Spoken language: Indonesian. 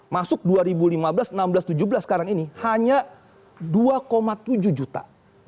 masuk dua ribu lima belas enam belas tujuh belas sekarang ini hanya dua tujuh juta